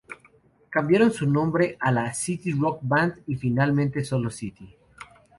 Cambiaron su nombre a la City Rock Band y finalmente sólo City.